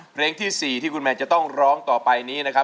เพลงที่๔ที่คุณแมนจะต้องร้องต่อไปนี้นะครับ